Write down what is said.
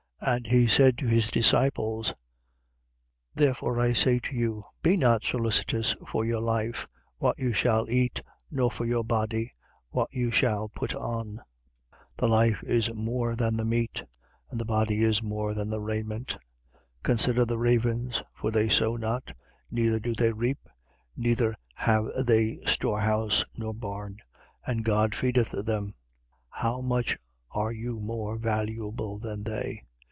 12:22. And he said to his disciples: Therefore I say to you: Be not solicitous for your life, what you shall eat, nor for your body, what you shall put on. 12:23. The life is more than the meat: and the body is more than the raiment. 12:24. Consider the ravens, for they sow not, neither do they reap, neither have they storehouse nor barn, and God feedeth them. How much are you more valuable than they?